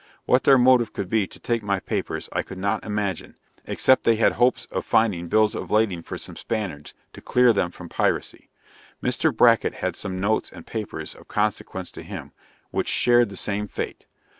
What their motive could be to take my papers I could not imagine, except they had hopes of finding bills of lading for some Spaniards, to clear them from piracy. Mr. Bracket had some notes and papers of consequence to him, which shared the same fate.